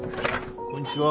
こんにちは。